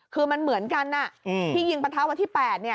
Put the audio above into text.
คือมันเหมือนกันที่ยิงประทะวันที่๘